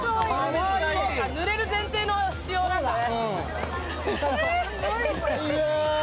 ぬれる前提の仕様なんだね。